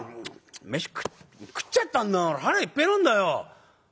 飯食っちゃったんだから腹いっぺえなんだよ」。